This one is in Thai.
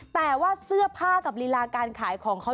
แต่ว่าเสื้อผ้ากับลีลาการขายของเขา